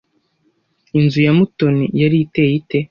Inzu ya Mutoni yari iteye ite?